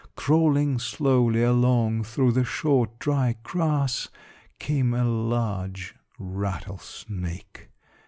Crawling slowly along through the short, dry grass, came a large rattlesnake.